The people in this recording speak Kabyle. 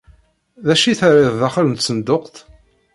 D acu i terriḍ daxel n tsenduqt?